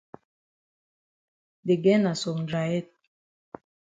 De girl na some dry head.